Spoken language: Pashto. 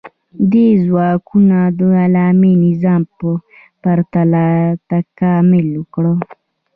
دې ځواکونو د غلامي نظام په پرتله تکامل وکړ.